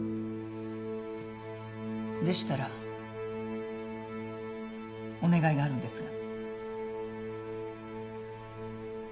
でしたらお願いがあるんですが。